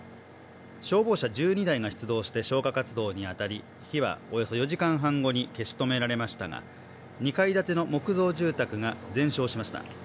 消防車１２台が出動して消火活動に当たり火はおよそ４時間半後に消し止められましたが２階建ての木造住宅が全焼しました。